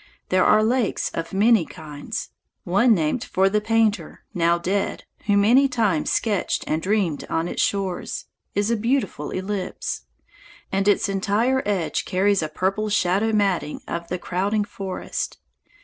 There are lakes of many kinds. One named for the painter, now dead, who many times sketched and dreamed on its shores, is a beautiful ellipse; and its entire edge carries a purple shadow matting of the crowding forest.